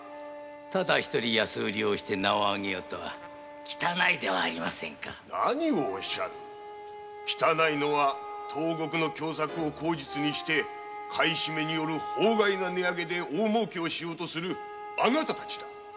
ただ一人安売りをして名を挙げようとは汚いではありませんか汚いのは東国の凶作を口実に買い占めによる法外な値上げで大もうけしようとするあなた方だ